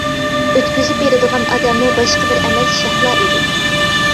ئۆتكۈزۈپ بېرىدىغان ئادەممۇ باشقا بىرى ئەمەس شەھلا ئىدى.